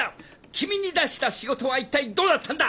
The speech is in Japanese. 君に出した仕事は一体どうなったんだ！